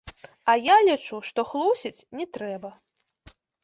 А я лічу, што хлусіць не трэба.